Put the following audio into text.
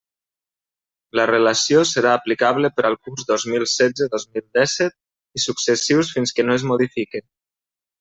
La relació serà aplicable per al curs dos mil setze dos mil dèsset i successius fins que no es modifique.